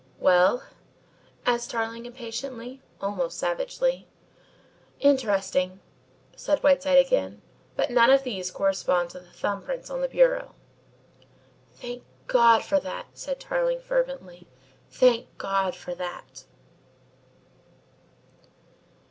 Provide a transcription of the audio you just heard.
"Well?" asked Tarling impatiently, almost savagely. "Interesting," said Whiteside again, "but none of these correspond to the thumb prints on the bureau." "Thank God for that!" said Tarling fervently "Thank God for that!"